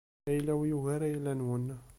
Ayla-w yugar ayla-nwen.